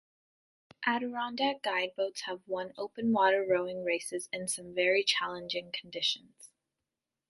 Adirondack guideboats have won open water rowing races in some very challenging conditions.